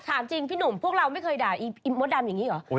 ถามจริงพี่หนุ่มพวกเราไม่เคยด่ามดดำอย่างนี้เหรอ